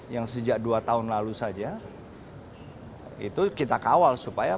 yang sejak dua tahun lalu saja itu kita kawal supaya